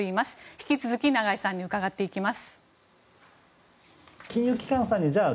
引き続き長井さんに伺っていきます。